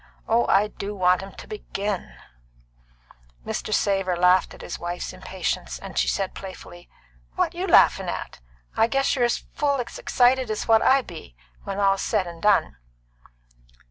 Oh, I do want 'em to begin!" Mr. Savor laughed at his wife's impatience, and she said playfully: "What you laughin' at? I guess you're full as excited as what I be, when all's said and done."